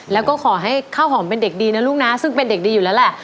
แล้วก็ขอให้ข้าวหอมเป็นเด็กดีนะลูกนะซึ่งเป็นเด็กดีอยู่แล้วแหละ